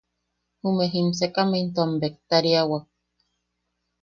Jume jimsekame into am bektariawak.